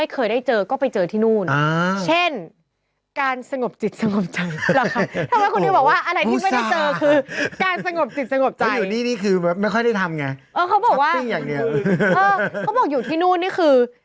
เขาบอกอยู่ที่นู่นนี่คือ